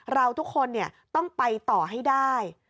เราทุกคนต้องไปต่อให้ได้